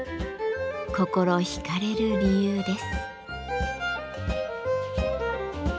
心惹かれる理由です。